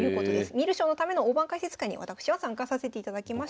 観る将のための大盤解説会に私は参加させていただきました。